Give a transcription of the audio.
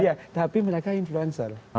iya tapi mereka influencer